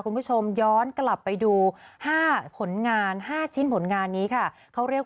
คุณผู้ชมย้อนกลับไปดูห้าผลงาน๕ชิ้นผลงานนี้ค่ะเขาเรียก